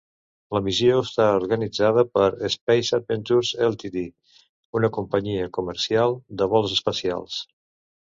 La missió està organitzada per Space Adventures Ltd., una companyia comercial de vols espacials.